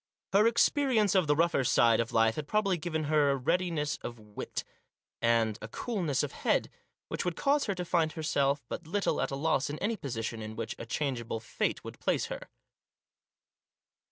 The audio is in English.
Her experience of the rougher side of life had probably given her a readiness of wit, and Digitized by 182 THE JOSS. a coolness of head, which would cause her to find herself but little at a loss in any position in which a changeable fate would place her.